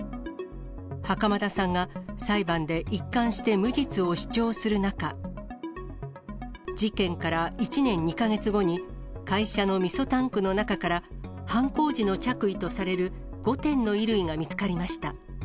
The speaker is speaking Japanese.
袴田さんが裁判で一貫して無実を主張する中、事件から１年２か月後に、会社のみそタンクの中から、犯行時の着衣とされる５点の衣類が見つかりました。